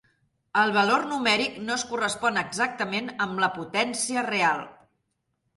El valor numèric no es correspon exactament amb la potència real.